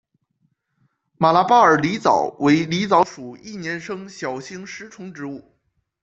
马拉巴尔狸藻为狸藻属一年生小型食虫植物。